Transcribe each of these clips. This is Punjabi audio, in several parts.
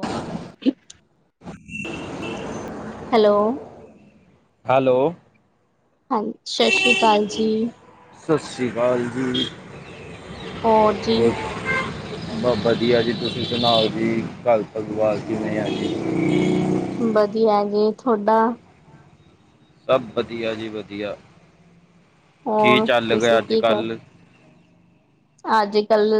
ਹੋ [inaudible] ਹੈਲੋ ਹੈਲੋ ਹਾਂਜੀ ਸਤਿ ਸ਼੍ਰੀ ਅਕਾਲ ਜੀ ਸਤਿ ਸ਼੍ਰੀ ਅਕਾਲ ਜੀ ਹੋਰ ਜੀ [inaudible] ਬਸ ਵਧੀਆ ਜੀ, ਤੁਸੀਂ ਸੁਣਾਓ ਜੀ, ਘਰ ਪਰਿਵਾਰ ਕਿਵੇਂ ਆ ਜੀ? ਵਧੀਆ ਜੀ, ਤੁਹਾਡਾ? ਸਭ ਵਧੀਆ ਜੀ, ਵਧੀਆ, ਕੀ ਹੋਰ ਚੱਲ ਰਿਹਾ ਤੁਸੀਂ ਅੱਜ- ਕੀ ਕਰ ਕੱਲ੍ਹ? ਅੱਜ -ਕੱਲ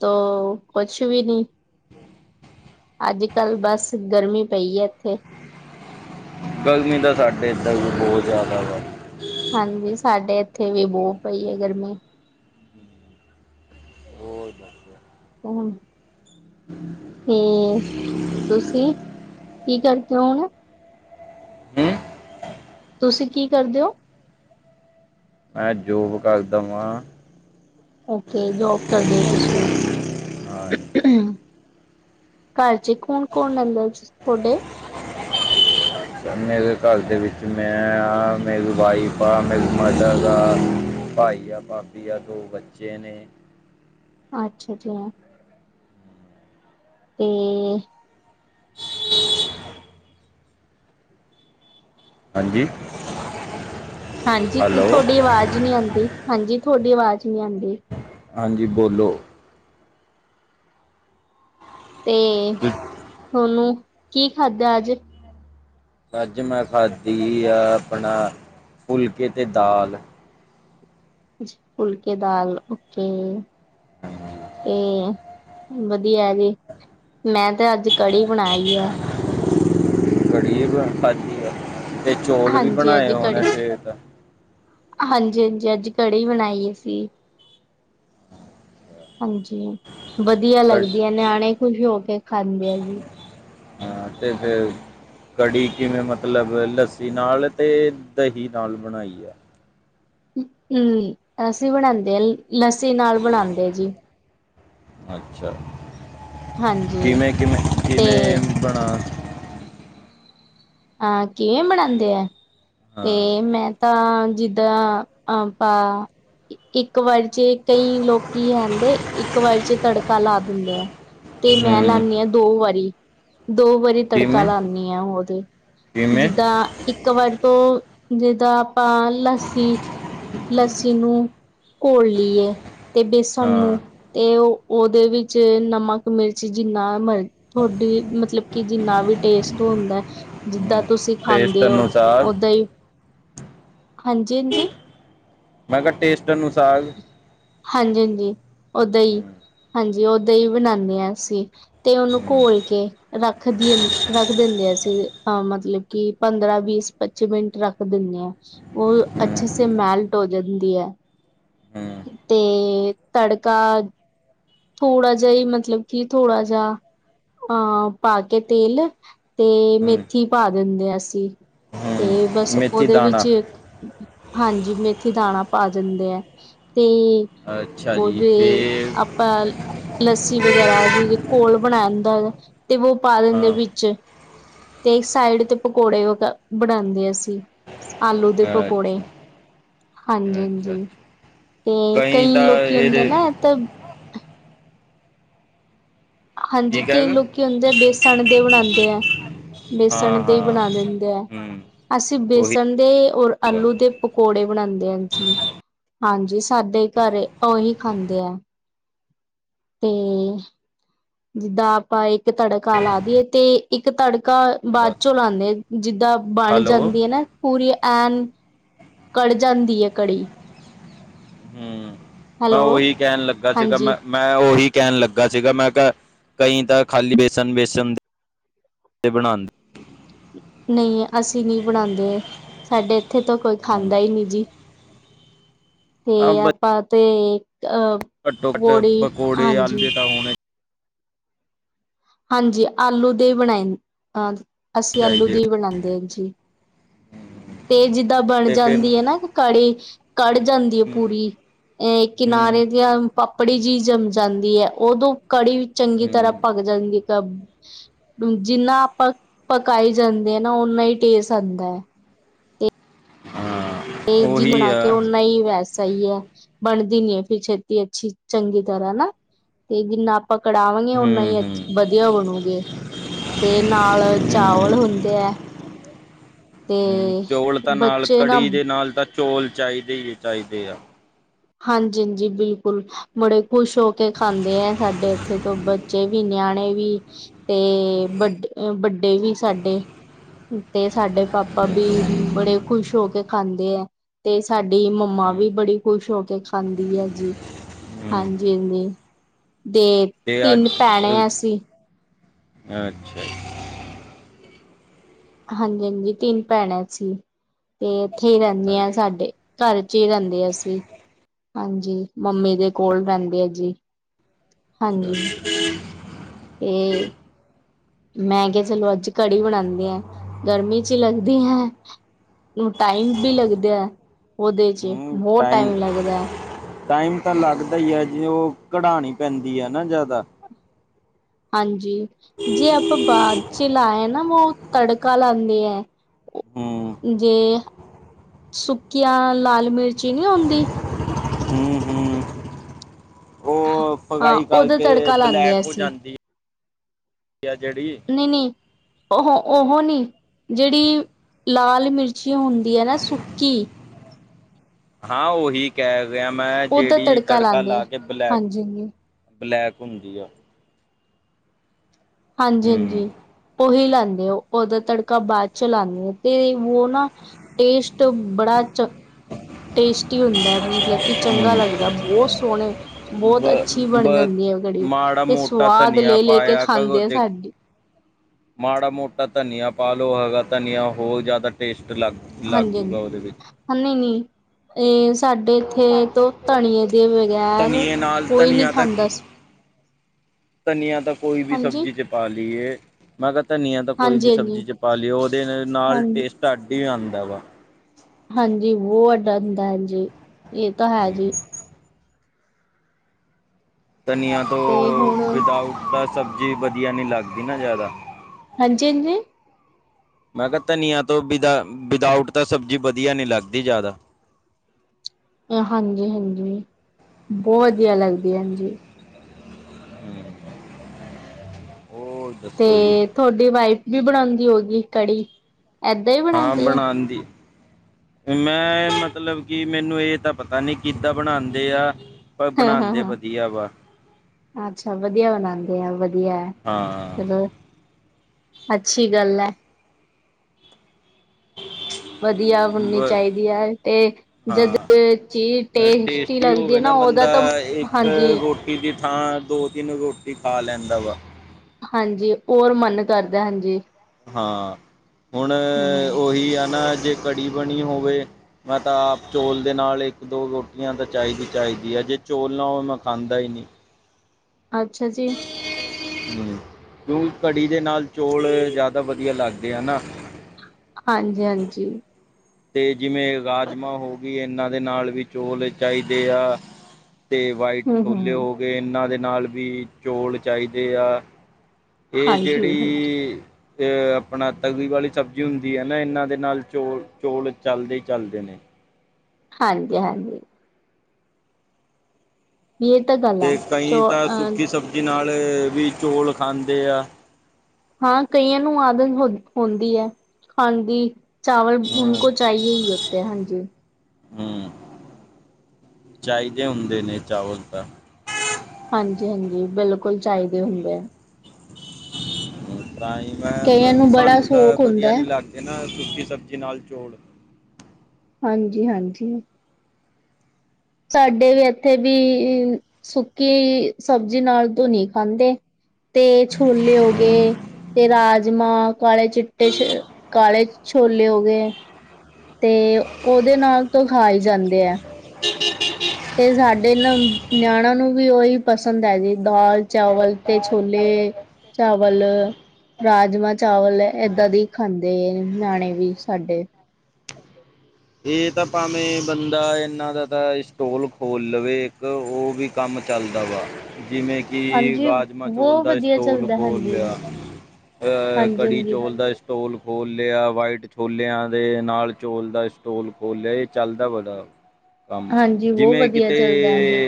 ਤੋ, ਕੁਛ ਵੀ ਨੀ। ਅੱਜ -ਕੱਲ੍ਹ, ਬਸ ਗਰਮੀ ਪਈ ਹੈ ਇੱਥੇ। ਗਰਮੀ ਤਾਂ ਸਾਡੇ ਇੱਧਰ ਵੀ, ਬਹੁਤ ਜ਼ਿਆਦਾ ਵਾ ਹਾਂਜੀ, ਸਾਡੇ ਇੱਥੇ ਵੀ ਬਹੁਤ ਪਈ ਹੈ, ਗਰਮੀ। ਬਹੁਤ ਜਿਆਦਾ [unintelligible] [inaudible] ਤੇ, ਤੁਸੀਂ ਕੀ ਕਰਦੇ ਹੋ ਹੁਣ? ਹੂੰ ਤੁਸੀਂ ਕੀ ਕਰਦੇ ਹੋ? ਮੈਂ, ਜੋਬ ਕਰਦਾ ਵਾਂ ਓਕੇ, ਜੋਬ ਕਰਦੇ ਤੁਸੀਂ। ਹਾਂਜੀ ਘਰ ਚ ਕੌਣ -ਕੌਣ ਰਹਿੰਦਾ ਜੀ, ਤੁਹਾਡੇ? ਮੇਰੇ ਘਰ ਦੇ ਵਿੱਚ, ਮੈਂ ਹਾਂ, ਮੇਰੀ ਵਾਈਫ ਆ, ਮੇਰੀ ਮਦਰ ਆ, ਭਾਈ ਆ, ਭਾਬੀ ਆ ਦੋ ਬੱਚੇ ਨੇ। ਅੱਛਾ -ਅੱਛਾ । ਤੇ ਹਾਂਜੀ? ਹਾਂਜੀ, ਹੈਲੋ ਤੁਹਾਡੀ ਆਵਾਜ਼ ਨਹੀ ਆਉਂਦੀ, ਹਾਂਜੀ, ਤੁਹਾਡੀ ਆਵਾਜ਼ ਨਹੀਂ ਆਉਂਦੀ ਹਾਂਜੀ, ਬੋਲੋ। ਤੇ, ਤੁਹਾਨੂੰ ਕੀ ਖਾਧਾ ਅੱਜ? ਅੱਜ ਮੈਂ ਖਾਧੀ ਆ, ਆਪਣਾ ਫੁਲਕੇ ਤੇ ਦਾਲ। ਫੁਲਕੇ- ਦਾਲ, ਓਕੇ, ਤੇ ਵਧੀਆ ਜੀ, ਮੈਂ ਤੇ ਅੱਜ ਕੜੀ ਬਣਾਈ ਹੈ। ਕੜੀ ਚੌਲ ਵੀ ਹਾਂਜੀ ਬਣਾਏ ਅੱਜ ਹੋਣੇ ਕੜੀ ਫੇਰ? ਹਾਂਜੀ- ਹਾਂਜੀ, ਅੱਜ ਕੜੀ ਬਣਾਈ ਅਸੀਂ । ਹਾਂਜੀ, ਵਧੀਆ ਕੜ ਲੱਗਦੀ ਹੈ, ਨਿਆਣੇ ਖੁਸ਼ ਹੋ ਕੇ ਖਾਂਦੇ ਆ ਜੀ। ਹਾਂ, ਤੇ ਫਿਰ ਕੜੀ ਕਿਵੇਂ ਮਤਲਬ, ਲੱਸੀ ਨਾਲ ਤੇ ਦਹੀਂ ਨਾਲ ਬਣਾਈ ਹੈ? ਹਮ, ਅਸੀਂ ਬਣਾਉਦੇ ਹਾਂ, ਲੱਸੀ ਨਾਲ ਬਣਾਉਂਦੇ ਜੀ । ਅੱਛਾ, ਹਾਂਜੀ ਕਿਵੇਂ -ਕਿਵੇਂ, ਤੇ ਕਿਵੇਂ ਬਣਾ? ਹਾਂ, ਕਿਵੇਂ ਬਣਾਉਂਦੇ ਆ? ਹਾਂ ਤੇ ਮੈਂ ਤਾਂ, ਜਿੱਦਾਂ ਆਪਾਂ, ਇੱਕ ਵਾਰੀ ਤੇ ਕਈ ਲੋਕੀ ਕਹਿੰਦੇ, ਇੱਕ ਵਾਰ ਚ ਤੜਕਾ ਲਾ ਦਿੰਦੇ ਆ। ਤੇ ਮੈਂ ਹੂੰ ਲਾਂਨੀ ਹਾਂ ਦੋ ਵਾਰੀ, ਦੋ ਵਾਰੀ ਤੜਕਾ ਕਿਵੇਂ ਲਾਂਨੀ ਹਾਂ, ਉਹਦੇ। ਕਿਵੇਂ ਜਿੱਦਾਂ ਇੱਕ ਵਾਰ, ਤੋਂ ਜਿੱਦਾਂ ਆਪਾਂ ਲੱਸੀ ਲੱਸੀ ਨੂੰ ਘੋਲ ਲਈਏ ਤੇ ਬੇਸਣ ਹਾਂ ਨੂੰ ਤੇ ਉਹਦੇ ਵਿੱਚ ਨਮਕ ਮਿਰਚ ਜਿੰਨਾ ਮਰਜ਼ ਤੁਹਾਡੀ ਮਤਲਬ ਕਿ ਜਿੰਨਾ ਵੀ ਟੇਸਟ ਹੁੰਦਾ ਜਿੱਦਾਂ ਹੂੰ। ਤਸੀਂ ਟੇਸਟ ਖਾਂਦੇ ਹੋ, ਅਨੁਸਾਰ ਓਦਾਂ ਹੀ, ਹਾਂਜੀ -ਹਾਂਜੀ। ਮੈਂ ਕਿਹਾ, ਟੇਸਟ ਅਨੁਸਾਰ ਹਾਂਜੀ -ਹਾਂਜੀ, ਉਹ ਦਹੀਂ ਹੂੰ ਹਾਂਜੀ, ਉਹ ਦਹੀਂ ਬਣਾਉਦੇ ਹਾਂ ਅਸੀਂ। ਤੇ, ਉਹਨੂੰ ਹੂੰ ਘੋਲ ਕੇ ਰੱਖਦੀ ਰੱਖ ਦਿੰਦੇ ਅਸੀਂ, ਮਤਲਬ ਕਿ ਪੰਦਰਾਂ ਵੀਸ ਪੱਚੀ ਮਿੰਟ ਰੱਖ ਦਿੰਦੇ ਹਾਂ। ਉਹ ਅੱਛੇ ਹੂੰ ਸੇ ਮੈਲਟ ਹੋ ਜਾਂਦੀ ਹੈ। ਹੂੰ ਤੇ ਤੜਕਾ ਥੋੜਾ ਜਿਹਾ ਈ ਮਤਲਬ, ਕਿ ਥੋੜਾ ਜਿਹਾ। ਹਾਂ, ਪਾ ਕੇ ਤੇਲ ਤੇ ਹੂੰ ਮੇਥੀ ਪਾ ਦਿੰਦੇ ਆ, ਅਸੀਂ। ਤੇ ਬਸ ਹੂੰ ਮੇਥੀ ਉਹਦੇ ਦਾਣਾ ਵਿੱਚ ਹਾਂਜੀ ਮੇਥੀ ਦਾਣਾ ਪਾ ਦਿੰਦੇ ਹੈ ਤੇ ਅੱਛਾ ਉਹ ਜੀ ਜ ਫੇਰ ਲੱਸੀ ਵਗੈਰਾ ਜਿ ਘੋਲ ਬਣਾ ਜਾਂਦਾ ਤੇ ਵ ਪਾ ਦਿੰਦੇ ਹਾਂ ਵਿੱਚ ਤੇ ਸਾਈਡ ਤੇ ਪਕੌੜੇ ਬਣਾਉਂਦੇ ਅਸੀਂ ਆਲੂ ਦੇ ਪਕੌੜੇ ਅੱਛਾ ਹਾਂਜੀ ਅੱਛਾ ਅੱਛਾ ਹਾਂਜੀ ਤੇ ਕਈ ਤਾਂ ਲੋਕੀ ਹੁੰਦੇ ਇਹਦੇ ਨਾ ਤਾਂ ਹਾਂਜੀ ਕੀ ਕਈ ਕਹੇਗਾ ਲੋਕ ਹੁੰਦੇ ਆ ਬੇਸਣ ਦੇ ਬਣਾਉਂਦੇ ਹੈ ਬੇਸਣ ਹਾਂ ਦੇ ਹੀ ਹਾਂ ਬਣਾ ਦਿੰਦੇ ਹੈ ਹੂੰ ਅਸੀਂ ਉਹੀ ਬੇਸਣ ਦੇ ਔਰ ਸੀਗਾ ਆਲੂ ਮੈਂ ਦੇ ਪਕੌੜੇ ਬਣਾਉਂਦੇ ਹਨ ਜ ਹਾਂਜੀ ਸਾਡੇ ਘਰ ਉਹੀ ਖਾਂਦੇ ਆ ਤੇ ਜਿੱਦਾਂ ਆਪਾਂ ਇੱਕ ਤੜਕਾ ਲਾ ਦੀਈਏ ਤੇ ਇੱਕ ਤੜਕਾ ਬਾਅਦ ਬਸ ਚੋਂ ਲਾਉਂਦੇ ਆ ਜਿੱਦਾਂ ਬਣ ਹੈਲੋ ਜਾਂਦੀ ਹੈ ਪੂਰੀ ਐਨ ਕੜ ਜਾਂਦੀ ਹੈ ਕੜੀ ਹੂ ਮੈਂ ਹੈਲੋ ਉਹੀ ਕਹਿਣ ਲੱਗਾ ਸੀਗਾ ਹਾਂਜੀ ਮੈਂ ਮੈਂ ਉਹੀ ਕਹਿਣ ਲੱਗਾ ਸੀਗਾ ਮੈਂ ਕ ਕਈ ਤਾਂ ਖਾਲੀ ਬੇਸਣ ਵੇਸਣ ਦੇ ਬਣਾਉਂਦੇ ਨਹੀਂ ਅਸੀਂ ਨਹੀਂ ਬਣਾਉਂਦੇ ਸਾਡੇ ਇੱਥੇ ਤਾਂ ਕੋਈ ਖਾਂਦਾ ਹੂੰ ਹੀ ਨਹੀਂ ਜੀ ਤੇ ਆ ਬ- ਆਪਾਂ ਤੇ ਅਹ ਘੱਟੋ ਘੱਟ ਪੌੜੀ ਪਕੌੜੇ ਹਾਂਜੀ ਆਲੂ ਤਾਂ ਹੋਣੇ ਹਾਂਜੀ ਆਲੂ ਦੇ ਹੀ ਬਣਾਈ ਅਹ ਅਸੀਂ ਆਲੂ ਚਾਹੀਦੇ ਦੇ ਹੀ ਬਣਾਉਂਦੇ ਹਾਂ ਜੀ ਹੂੰ। ਤੇ ਜਿੱਦਾਂ ਬਣ ਤੇ ਫਿਰ ਜਾਂਦੀ ਹੈ ਨਾ ਕਿ ਕੜੀ ਕਢ ਜਾਂਦੀ ਹੈ ਹੂੰ ਪੂਰੀ ਅ ਕਿਨਾਰੇ ਹੂੰ ਦੀਆ ਪਾਪੜੀ ਜਿਹੀ ਜਮ ਜਾਂਦੀ ਹੈ ਉਦੋਂ ਕੜੀ ਚੰਗੀ ਤਰ੍ਹਾਂ ਹੂੰ ਭਗ ਜਾਂਦੀ ਹੈ ਕ ਜਿੰਨਾ ਆਪਾਂ ਪਕਾਈ ਜਾਂਦੇ ਆ ਨਾ ਓਨਾ ਹੀ ਟੇਸਟ ਆਉਂਦਾ ਹੈ ਹਾਂ ਤੇ ਜੀ ਉਹੀ ਬਣਾ ਕੇ ਆ ਓਨਾ ਹੀ ਵੈਸ ਸਹੀ ਹੈ ਬਣਦੀ ਨੀ ਹੈ ਫਿਰ ਛੇਤੀ ਅੱਛੀ ਚੰਗੀ ਤਰ੍ਹਾਂ ਤੇ ਜਿੰਨਾ ਪਕੜਾਵਾਂਗੇ ਹੂੰ ਓਨਾ ਹੀ ਹੂੰ ਵਧੀਆ ਬਣੂਗੀ ਤੇ ਨਾਲ ਚਾਵਲ ਹੂੰ ਹੁੰਦੇ ਹੈ ਤੇ ਹੂ ਚੋਲ ਤਾਂ ਨਾਲ ਬੱਚੇ ਨਾ ਕੜੀ ਦੇ ਨਾਲ ਤਾਂ ਚੌਲ ਚਾਹੀਦੇ ਹੀ ਆ ਚਾਹੀਦੇ ਆ ਹਾਂਜੀ ਹਾਂਜੀ ਬਿਲਕੁਲ ਮੁੜੇ ਖੁਸ਼ ਹੋ ਕੇ ਖਾਂਦੇ ਹੈ ਸਾਡੇ ਇੱਥੇ ਤੋਂ ਬ ਬੱਚੇ ਵੀ ਨਿਆਣੇ ਵੀ ਤੇ ਵੱਡ ਵੱਡੇ ਵੀ ਸਾਡੇ ਤੇ ਸਾਡੇ ਪਾਪਾ ਵੀ ਬੜੇ ਖ਼ੁਸ਼ ਹੋ ਕੇ ਖਾਂਦੇ ਹੈ ਤੇ ਸਾਡੀ ਮੰਮਾ ਵੀ ਬੜੀ ਖੁਸ਼ ਹੋ ਖਾਂਦੀ ਹੈ ਜੀ ਹੂੰ ਹਾਂਜੀ ਹਾਂਜੀ ਦੇ ਤੇ ਅੱਜ ਤਿੰਨ ਭੈਣੇ ਅਸੀਂ ਅੱਛਾ ਜੀ ਹਾਂਜੀ ਹਾਂਜੀ ਤਿੰਨ ਭੈਣਾਂ ਸੀ ਤੇ ਇੱਥੇ ਹੀ ਰਹਿੰਦੀ ਹਾਂ ਸਾਡੇ ਘਰ ਚ ਹੀ ਰਹਿੰਦੇ ਆ ਅਸੀਂ ਹਾਂਜੀ ਮੰਮੀ ਦੇ ਕੋਲ ਰਹਿੰਦੇ ਆ ਜੀ ਅੱਛਾ ਹਾਂਜੀ ਤੇ ਮੈਂ ਕਿਹਾ ਚਲੋ ਅੱਜ ਕੜੀ ਬਣਾਉਂਦੀ ਹ ਗਰਮੀ ਚ ਹੀ ਲੱਗਦੀ ਹੈ ਟਾਈਮ ਵੀ ਲੱਗਦਾ ਹੈ ਉਹਦੇ ਚ ਬਹੁਤ ਟਾਈਮ ਲੱਗਦਾ ਹੈ ਟਾਈਮ ਤਾਂ ਲੱਗਦਾ ਹੀ ਹੈ ਜੀ ਉਹ ਕਢਾਉਣੀ ਪੈਂਦੀ ਹੈ ਨਾ ਜ਼ਿਆਦਾ ਹਾਂਜੀ ਜੇ ਆਪਾਂ ਬਾਅਦ ਚ ਲਾਏ ਨਾ ਵ ਤੜਕਾ ਲਾਉਂਦੇ ਹੈ ਹੂੰ ਜੇ ਸੁੱਕੀਆਂ ਲਾਲ ਮਿਰਚੀ ਨਹੀਂ ਆਉਂਦੀ ਹੂ ਉਹ ਹਾਂ ਫਗਾਈ ਉਹਦਾ ਕਰਕੇ ਤੜਕਾ ਲਾਉਂਦੇ ਆ ਬਲੈਕ ਹੋ ਅਸੀਂ ਜਾਂਦੀ ਕਿਆ ਜਿਹੜੀ ਨਹੀਂ ਨਹੀਂ ਉਹ ਉਹ ਨੀ ਜਿਹੜੀ ਲਾਲ ਮਿਰਚੀ ਹੁੰਦੀ ਹੈ ਨਾ ਸੁੱਕੀ ਹਾਂ ਉਹੀ ਕੈ ਰਿਹਾ ਮੈਂ ਉਹਦਾ ਜਿਹੜੀ ਤੜਕਾ ਲਾਉਂਦੇ ਆ ਲਾ ਕੇ ਬਲੈਕ ਹਾਂਜੀ ਹਾਂਜੀ ਬਲੈਕ ਹੁੰਦੀ ਆ ਹਾਂਜੀ ਹਾਂਜੀ ਹੂੰ ਉਹੀ ਲਾਉਦੇ ਆ ਉਹਦਾ ਤੜਕਾ ਬਾਅਦ ਚ ਲਉਂਦੇ ਆ ਤੇ ਉਹ ਨਾ ਟੇਸਟ ਬੜਾ ਚੱਕ ਟੇਸਟੀ ਹੁੰਦਾ ਮਤਲਬ ਕਿ ਚੰਗਾ ਲੱਗਦਾ ਬਹੁਤ ਸੋਹਣੇ ਬਹੁਤ ਬ ਅੱਛੀ ਬਣ ਬ ਜਾਂਦੀ ਹੈ ਉਹ ਘੜੀ ਮਾੜਾ ਤੇ ਮੋਟਾ ਸਵਾਦ ਧਨੀਆ ਲੈ ਲੈ ਕੇ ਪਾਇਆ ਕਦੋਂ ਖਾਂਦੇ ਆ ਦੇਖ ਸਾਡੀ ਮਾੜਾ ਮੋਟਾ ਧਨੀਆ ਪਾਾਲੋ ਹੈਗਾ ਧਨੀਆ ਹੋ ਜਾਂਦਾ ਟੇਸਟ ਅਲੱਗ ਲੱਗ ਜੂਗਾ ਉਹਦੇ ਹਾਂਜੀ-ਹਾਂਜੀ ਵਿੱਚ ਨਈ-ਨਈ ਇਹ ਸਾਡੇ ਇੱਥੇ ਤੋਂ ਧਨੀਏ ਦੇ ਬਗੈਰ ਧਨੀਏ ਨਾਲ ਕੋਈ ਨੀ ਧਨੀਆ ਤਾਂ ਖਾਂਦਾ ਸੀ ਧਨੀਆਂ ਤਾਂ ਕੋਈ ਵੀ ਸਬਜ਼ੀ ਚ ਪਾ ਲਈਏ ਮੈਂ ਕਿਹਾ ਧਨੀਆ ਤਾਂ ਕੋਈ ਵੀ ਹਾਂਜੀ-ਹਾਂਜੀ-ਹਾਂਜੀ। ਸਬਜ਼ੀ ਚ ਪਾ ਲਿਓ ਉਹਦੇ ਨਾਲ ਹਾਂ ਹਾਂਜੀ ਟੇਸਟ ਅਡ ਹੀ ਆਉਂਦਾ ਵਾ ਹਾਂਜੀ ਬਹੁ ਵੱਡਾ ਹੁੰਦਾ ਹੈਾ ਜੀ ਇਹ ਤਾਂ ਹੈ ਹਮ ਜੀ ਧਨੀਆ ਤੋਂ ਤੇ ਹੁਣ ਵਿਦਾਊਟ ਦਾ ਸਬਜ਼ੀ ਵਧੀਆ ਨਹੀਂ ਲੱਗਦੀ ਨਾ ਜ਼ਿਆਦਾ ਹਾਂਜੀ ਹਾਂਜੀ ਮੈਂ ਕਿਹਾ ਧਨੀਆ ਤੋਂ ਵਿ ਵਿਦਾਊਟ ਤਾਂ ਸਬਜ਼ੀ ਵਧੀਆ ਨੀ ਲੱਗਦੀ ਜ਼ਿਆਦਾ ਹਾਂਜੀ ਹਾਂਜੀ ਬਹੁਤ ਵਧੀਆ ਲੱਗਦੀ ਹਾਂਜੀ ਹੋਰ ਤੇ ਤੁਹਾਡੀ ਵਾਈਫ ਵੀ ਬਣਾਉਂਦੀ ਹੋ ਗਈ ਕੜੀ ਏਦਾਂ ਹੀ ਬਣਾਉਂਦੀ ਆ [inaudible] ਮੈਂ ਮਤਲਬ ਕਿ ਮੈਨੂੰ ਇਹ ਤਾਂ ਪਤਾ ਨੀ ਕਿੱਦਾਂ ਬਣਾਉਂਦੇ ਆ ਪਰ ਹਾਂ ਹਾਂ ਬਣਾਉਂਦੇ ਹਾਂ ਵਧੀਆ ਵਾ ਅੱਛਾ ਵਧੀਆ ਬਣਾਉਂਦੇ ਆ ਵਧੀਆ ਹਾਂ ਚਲੋ ਅੱਛੀ ਗੱਲ ਹੈ ਵਧੀਆ ਹੋਣੀ ਬ ਚਾਹੀਦੀ ਹੈ ਤੇ ਜਦ ਹਾਂ ਚੀਜ਼ ਤੇ ਟੀ ਟੇਸਟੀ ਲੱਗਦੀ ਹੋਵੇ ਹੈ ਨਾ ਉਹਦਾ ਤਾਂ ਹਾਂਜੀ ਰੀ ਦੀ ਥਾਂ ਦੋ ਤਿੰਨ ਰੋਟੀ ਖਾ ਲੈਂਦਾ ਵਾ ਹਾਂਜੀ ਹੋਰ ਮਨ ਕਰਦਾ ਹਾਂਜੀ ਹਾਂ ਹੁਣ ਹਮ ਉਹੀ ਆ ਨਾ ਜੇ ਘੜੀ ਬਣੀ ਹੋਵੇ ਮੈਂ ਤਾਂ ਆਪ ਚੌਲ ਦੇ ਨਾਲ ਇੱਕ ਦੋ ਰੋਟੀਆਂ ਤਾਂ ਚਾਹੀਦੀ ਚਾਹੀਦੀ ਆ ਜੇ ਚੌਲ ਨਾ ਹੋਵੇ ਮੈਂ ਖਾਂਦਾ ਹੀ ਨਹੀਂ ਅੱਛਾ ਜੀ ਹਮ ਕਿਉਂਕ ਘੜੀ ਦੇ ਨਾਲ ਚੋਲ ਜ਼ਿਆਦਾ ਵਧੀਆ ਲੱਗਦੇ ਆ ਨਾ ਹਾਂਜੀ ਹਾਂਜੀ ਅਤੇ ਜਿਵੇਂ ਰਾਜਮਾਂ ਹੋ ਗਈ ਇਹਨਾਂ ਦੇ ਨਾਲ ਵੀ ਚੌਲ ਚਾਹੀਦੇ ਆ ਅਤੇ ਵਾਈਟ ਹਮ ਛੋਲੇ ਹਮ ਹੋ ਗਏ ਇਹਨਾਂ ਦੇ ਨਾਲ ਵੀ ਚੌਲ ਚਾਹੀਦੇ ਆ ਇਹ ਹਾਂਜੀ ਹਾਂਜੀ ਜਿਹੜੀ ਤੇ ਆਪਣਾ ਤਗ ਵਾਲੀ ਸਬਜ਼ੀ ਹੁੰਦੀ ਹੈ ਨਾ ਇਹਨਾਂ ਦੇ ਨਾਲ ਚੋਲ ਚੌਲ ਚੱਲਦੇ ਹੀ ਚੱਲਦੇ ਨੇ ਹਾਂਜੀ ਹਾਂਜੀ ਇਹ ਤਾਂ ਗੱਲ ਹੈ ਅਤੇ ਚੋ ਕਈ ਤਾਂ ਅ ਸੁੱਕੀ ਸਬਜ਼ੀ ਨਾਲ ਵੀ ਚੌਲ ਖਾਂਦੇ ਆ ਹਾਂ ਕਈਆਂ ਨੂੰ ਆਦਤ ਹੋ ਹੁੰਦੀ ਹੈ ਖਾਣ ਦੀ ਚਾਵਲ ਹੂੰ ਹੁਣ ਕੋ ਚਾਹੀਏ ਹੀ ਹੋਤੇ ਹੈ ਹਾਂਜੀ ਹਮ ਚਾਹੀਦੇ ਹੁੰਦੇ ਨੇ ਚਾਵਲ ਤਾਂ ਹਾਂਜੀ ਹਾਂਜੀ ਬਿਲਕੁਲ ਚਾਹੀਦੇ ਹੁੰਦੇ ਆ ਤਾਂ ਹੀ ਮੈਂ ਕਈਆਂ ਨੂੰ ਬੜਾ ਸਾਨੂੰ ਤਾਂ ਸ਼ੌਕ ਹੁੰਦਾ ਵਧੀਆ ਹੈ ਨੀ ਲੱਗਦਾ ਇਹ ਨਾ ਸੁੱਕੀ ਸਬਜ਼ੀ ਨਾਲ ਚੋਲ ਹਾਂਜੀ ਹਾਂਜੀ ਸਾਡੇ ਵੀ ਇੱਥੇ ਵੀ ਸੁੱਕੀ ਸਬਜ਼ੀ ਨਾਲ ਧੂੰਨੀ ਖਾਂਦੇ ਤੇ ਛੋਲੇ ਹੋ ਗਏ ਤੇ ਰਾਜਮਾਂ ਕਾਲੇ ਚਿੱਟੇ ਛ ਕਾਲੇ ਛੋਲੇ ਹੋ ਗਏ ਤੇ ਉਹਦੇ ਨਾਲ ਤੋਹਾ ਜਾਂਦੇ ਹੈ [inaudible] ਤੇ ਸਾਡੇ ਨਾ ਨਿਆਣ ਨੂੰ ਵੀ ਉਹੀ ਪਸੰਦ ਹੈ ਜੀ ਦਾਲ ਚਾਵਲ ਤੇ ਛੋਲੇ ਚਾਵਲ ਰਾਜਮਾਂ ਚਾਵਲ ਇਦਾਂ ਦੀ ਖਾਂਦੇ ਨਿਆਣੇ ਵੀ ਸਾਡੇ ਇਹ ਤਾਂ ਭਾਵੇਂ ਬੰਦਾ ਇਨਾਂ ਦਾ ਤਾਂ ਸਟੋਲ ਖੋਲ ਲਵੇ ਇੱਕ ਉਹ ਵੀ ਕੰਮ ਚੱਲਦਾ ਵਾ ਜਿਵੇਂ ਕੀ ਹਾਂਜੀ ਰਾਜਮਾਂ ਚੌਲ ਬਹੁਤ ਦਾ ਵਧੀਆ ਸਟੋਲ ਚੱਲਦਾ ਖੋਲ ਹਾਂਜੀ ਲਿਆ ਅ ਹਾਂਜੀ ਕੜੀ ਹਾਂਜੀ ਚੌਲ ਦਾ ਟੋਲ ਖੋਲ੍ਹ ਲਿਆ ਵਾਈਟ ਛੋਲਿਆਂ ਦੇ ਨਾਲ ਚੋਲ ਦਾ ਟੋਲ ਖੋਲਿਆ ਇਹ ਚੱਲਦਾ ਬੜਾ ਕੰਮ ਹਾਂਜੀ ਬਹੁਤ ਜਿਵੇਂ ਵਧੀਆ ਕਿਤੇ ਚੱਲਦਾ ਹਾਂਜੀ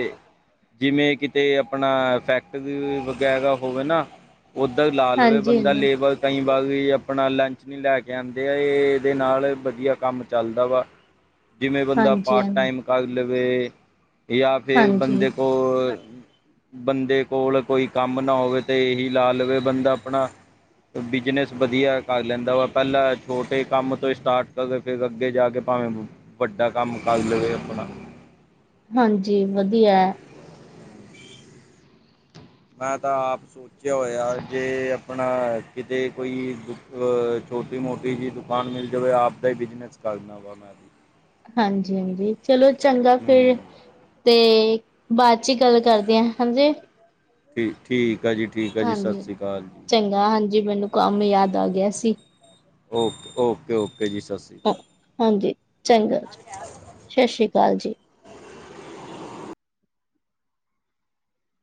ਜਿਵੇਂ ਕਿਤੇ ਆਪਣਾ ਫੈਕਟਰੀ ਵਗੈਰਾ ਹੋਵੇ ਨਾ ਉੱਧਰ ਲਾ ਲਵੇ ਹਾਂਜੀ ਬੰਦਾ ਹਾਂਜੀ ਲੇਬਰ ਕਈ ਵਾਰ ਵੀ ਆਪਣਾ ਲੰਚ ਨਹੀਂ ਲੈ ਕੇ ਆਉਂਦੇ ਆ ਇਹਦੇ ਨਾਲ ਵਧੀਆ ਕੰਮ ਚੱਲਦਾ ਵਾ ਜਿਵੇਂ ਬੰਦਾ ਹਾਂਜੀ ਪਾਰਟ ਹਾਂਜੀ ਟਾਈਮ ਕਰ ਲਵੇ ਯਾਂ ਫਿਰ ਹਾਂਜੀ ਬੰਦੇ ਕੋ ਬੰਦੇ ਕੋਲ ਕੋਈ ਕੰਮ ਨਾ ਹੋਵੇ ਤੇ ਇਹੀ ਲਾ ਲਵੇ ਬੰਦਾ ਆਪਣਾ ਬਿਜਨਸ ਵਧੀਆ ਕਰ ਲੈਂਦਾ ਵਾ ਪਹਿਲਾਂ ਛੋਟੇ ਕੰਮ ਤੋਂ ਸਟਾਰਟ ਕਰਕੇ ਫਿਰ ਅੱਗੇ ਜਾ ਕੇ ਭਾਵੇਂ ਵੱਡਾ ਕੰਮ ਕਰ ਲਵੇ ਆਪਣਾ ਹਾਂਜੀ ਵਧੀਆ ਅ ਮੈਂ ਤਾਂ ਆਪ ਸ ਪੁੱਛਿਆ ਹੋਇਆ ਜੇ ਆਪਣਾ ਕਿਤੇ ਕੋਈ ਦੁ ਛੋਟੀ ਮੋਟੀ ਜਿਹੀੁ ਦੁਕਾਨ ਮਿਲ ਜਾਵੇ ਆਪ ਦਾ ਹੀ ਬਿਜਨਸ ਕਰਨਾ ਵਾ ਮੈਂ ਵੀ ਹਾਂਜੀ ਹਾਂਜੀ ਚਲੋ ਚੰਗਾ ਫਿਰ ਹੂੰ ਤੇ ਬਾਅਦ ਚ ਗੱਲ ਕਰਦੇ ਹਾਂ ਹਾਂਜੀ ਠੀਕ ਹੈ ਜੀ ਠੀਕ ਹੈ ਜੀ ਹਾਂਜੀ ਸਤਿ ਸ਼੍ਰੀ ਅਕਾਲ ਜੀ ਚੰਗਾ ਹਾਂਜੀ ਮੈਨੂੰ ਕੰਮ ਯਾਦ ਆ ਗਿਆ ਸੀ ਓਕੇ ਓਕੇ ਓਕੇ ਜੀ ਸਰ ਹਾਂ ਹਾਂਜੀ ਚੰਗਾ ਜੀ ਸਤਿ ਸ੍ਰੀ ਅਕਾਲ ਜੀ